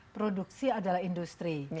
produksi adalah industri